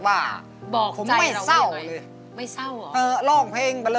สวัสดีครับ